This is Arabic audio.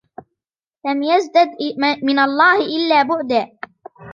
لَمْ يَزْدَدْ مِنْ اللَّهِ إلَّا بُعْدًا